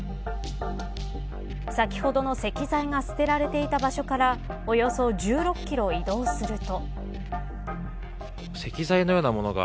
先ほどの石材が捨てられていた場所からおよそ１６キロ移動すると。